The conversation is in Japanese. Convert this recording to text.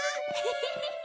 フフフッ。